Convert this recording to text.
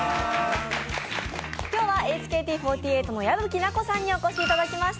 今日はＨＫＴ４８の矢吹奈子さんにお越しいただきました。